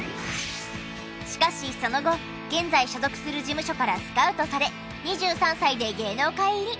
しかしその後現在所属する事務所からスカウトされ２３歳で芸能界入り。